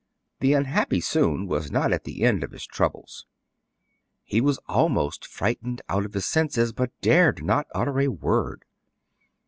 The unhappy Soun was not at the end of his troubles. He was almost frightened out of his senses, but dared not utter a word.